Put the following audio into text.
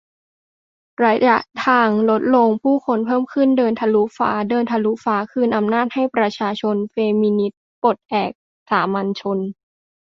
ระยะทางลดลงผู้คนเพิ่มขึ้น เดินทะลุฟ้า เดินทะลุฟ้าคืนอำนาจให้ประชาชน เฟมินิสต์ปลดแอก สามัญชน